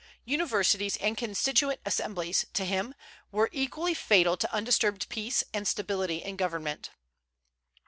Universities and constituent assemblies, to him, were equally fatal to undisturbed peace and stability in government.